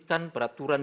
yang dianggap dibacakan